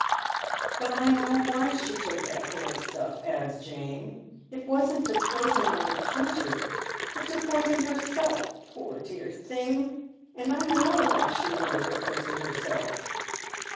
" But 1 know why she took that horrid stuff," adds Jane. " It wasn't to poison uncle Trenchard, but to poison herself, poor dear thing, and I know why she wanted to poison herself."